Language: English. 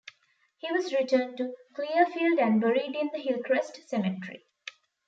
He was returned to Clearfield and buried in the "Hillcrest Cemetery".